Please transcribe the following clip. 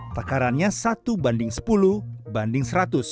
takarannya satu banding sepuluh banding seratus